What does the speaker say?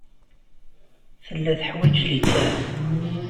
Tella teḥwaj littseɛ.